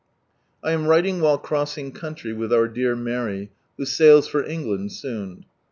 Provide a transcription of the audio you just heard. I am writing while crossing country with our dear Mary, who sails for England ■oon.